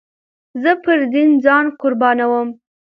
زه پر دين ځان قربانوم.